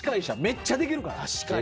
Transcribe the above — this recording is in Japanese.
めっちゃできるから。